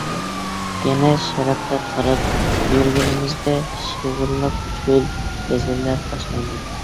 يەنە شەرققە قاراپ يۈرگىنىمىزدە شېغىللىق چۆل-جەزىرىلەر باشلاندى.